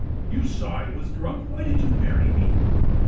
You saw I was drunk, why did you marry me?